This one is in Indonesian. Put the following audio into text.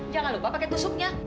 jangan lupa pakai tusuknya